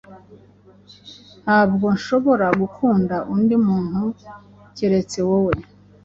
Ntabwo nshobora gukunda undi muntu kerete wowe